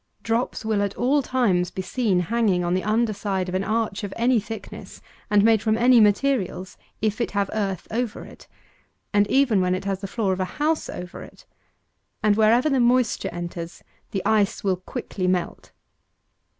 Drops will, at times, be seen hanging on the under side of an arch of any thickness, and made of any materials, if it have earth over it, and even when it has the floor of a house over it; and wherever the moisture enters, the ice will quickly melt.